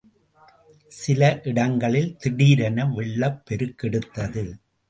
சில இடங்களில் திடீரென வெள்ளப் பெருக்கெடுத்தது.